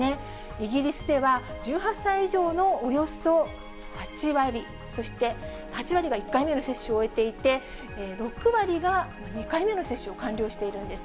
イギリスでは、１８歳以上のおよそ８割、そして８割が１回目の接種を終えていて、６割が２回目の接種を完了しているんです。